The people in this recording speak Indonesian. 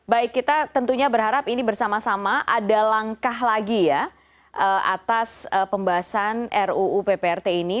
baik kita tentunya berharap ini bersama sama ada langkah lagi ya atas pembahasan ruu pprt ini